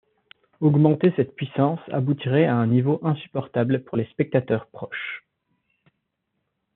Augmenter cette puissance aboutirait à un niveau insupportable pour les spectateurs proches.